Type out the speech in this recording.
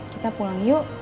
kita pulang yuk